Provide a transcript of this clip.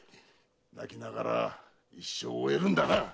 泣きながら一生を終えるんだな！